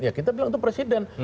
ya kita bilang itu presiden